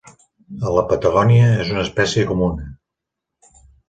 A la Patagònia és una espècie comuna.